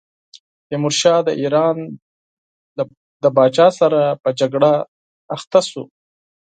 تیمورشاه د ایران له پاچا سره په جګړه بوخت شو.